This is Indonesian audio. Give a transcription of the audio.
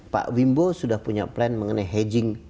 pak wimbo sudah punya plan mengenai hedging